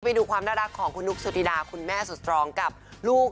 ได้ไม่ดูความน่ารักของหนูสธิดาคุณแม่สุดแรงกับลูก